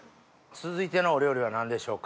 続いてのお料理は何でしょうか？